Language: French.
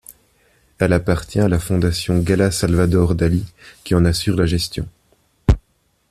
Elle appartient à la Fondation Gala-Salvador Dalí qui en assure la gestion.